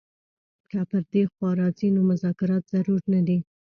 که پر دې خوا راځي نو مذاکرات ضرور نه دي.